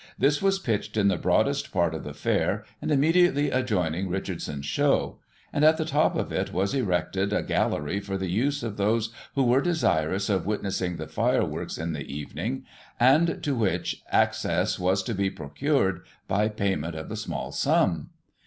This was pitched in the broadest part of the fair, and immediately adjoining Richard son's show; and, at the top of it was erected a gallery for the use of those who were desirous of witnessing the hreworks in the evening, and, to which, access was to be procured by payment of a small sum.